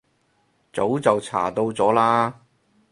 早就查到咗啦